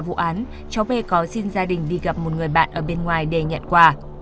vụ án cháu b có xin gia đình đi gặp một người bạn ở bên ngoài để nhận quà